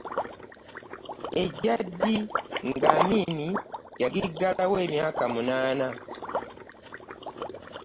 Egya ddi nga Amin yagiggalawo emyaka munaana.